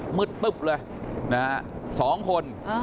หมึดตึ๊บเลย๒คน